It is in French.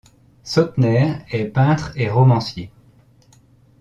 Sautner est peintre et romancier.